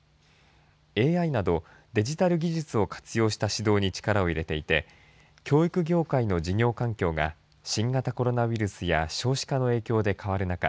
ＡＩなどデジタル技術を活用した指導に力を入れていて教育業界の事業環境が新型コロナウイルスや少子化の影響で変わる中